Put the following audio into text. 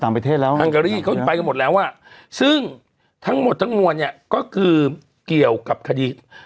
ห้างเกาหลีเขาไปกันหมดแล้วอ่ะซึ่งทั้งหมดทั้งมวลเนี่ยก็คือเกี่ยวกับคดี